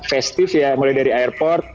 festive ya mulai dari airport